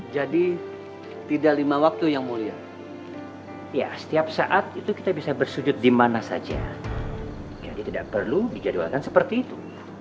jadi tidak perlu dijadwalkan seperti itu